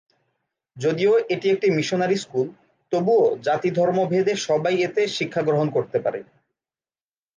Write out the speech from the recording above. যদিও এটি একটি মিশনারি স্কুল, তবুও জাতি-ধর্ম ভেদে সবাই এতে শিক্ষা গ্রহণ করতে পারে।